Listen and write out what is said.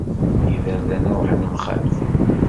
Iberdan ruḥen mxalfa.